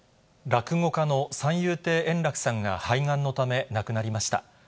落語家の三遊亭円楽さんが、肺がんのため亡くなりました。